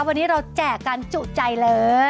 วันนี้เราแจกกันจุใจเลย